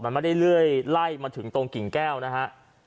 มันไม่ได้เลื่อยไล่มาถึงตรงกิ่งแก้วนะฮะ